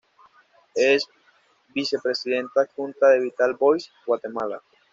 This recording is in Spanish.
Es VicePresidenta Adjunta de Vital Voices Guatemala.